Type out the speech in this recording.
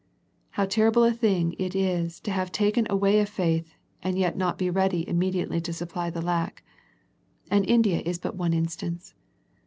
How terrible a thing it is to have taken away a faith, and yet not to be ready immediately to supply the lack. And India is but one instance.